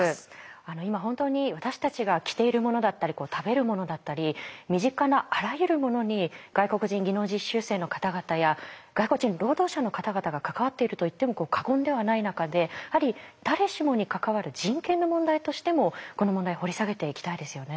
今本当に私たちが着ているものだったり食べるものだったり身近なあらゆるものに外国人技能実習生の方々や外国人労働者の方々が関わっていると言っても過言ではない中で誰しもに関わる人権の問題としてもこの問題掘り下げていきたいですよね。